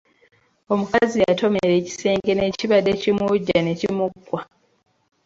Omukazi yatomera ekisenge n’ekibadde kimuwujja ne kimuggwa.